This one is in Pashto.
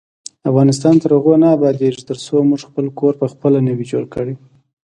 افغانستان تر هغو نه ابادیږي، ترڅو موږ خپل کور پخپله نه وي جوړ کړی.